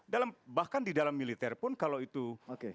dalam bahkan di dalam militer pun kalau itu